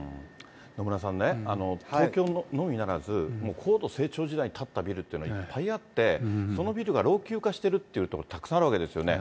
野村さんね、東京のみならず、もう高度成長時代に建ったビルっていうのはいっぱいあって、そのビルが老朽化してるっていう所たくさんあるわけですよね。